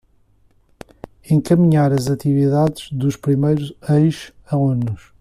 Encaminhar as atividades dos primeiros ex-alunos